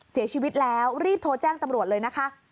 เสียชีวิตแล้วรีบโทรแจ้งตำรวจเลยนะคะ